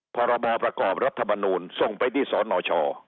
พรบประกอบรัฐมนูลส่งไปที่สนช